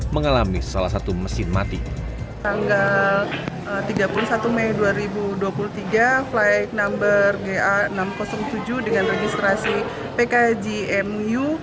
mengalami salah satu mesin mati tanggal tiga puluh satu mei dua ribu dua puluh tiga flight number ga enam ratus tujuh dengan registrasi pkgmu